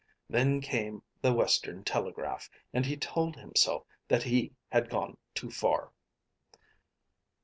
Then came the "Western Telegraph," and he told himself that he had gone too far.